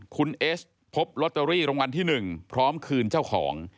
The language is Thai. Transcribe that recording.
คุณเอสพบลอตเตอรี่รางวัลที่๑พร้อมคืนเจ้าของ